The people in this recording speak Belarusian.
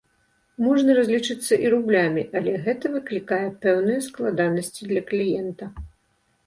Можна разлічыцца і рублямі, але гэта выклікае пэўныя складанасці для кліента.